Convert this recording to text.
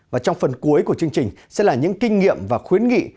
và trong phần cuối của chương trình sẽ là những kinh nghiệm và khuyến nghị